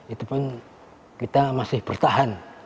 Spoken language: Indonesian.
itu pun kita masih bertahan